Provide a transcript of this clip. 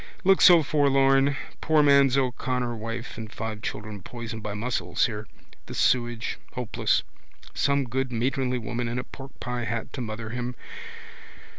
Looks so forlorn. Poor man O'Connor wife and five children poisoned by mussels here. The sewage. Hopeless. Some good matronly woman in a porkpie hat to mother him.